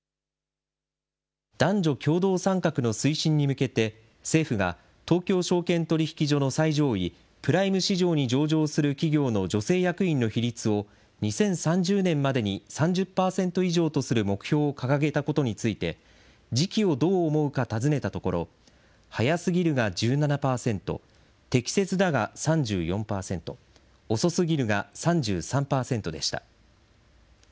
男女共同参画の推進に向けて、政府が東京証券取引所の最上位、プライム市場に上場する企業の女性役員の比率を２０３０年までに３０％以上とする目標を掲げたことについて、時期をどう思うか尋ねたところ、早すぎるが１７％、適切だが３４％、遅すぎるが３３％でした。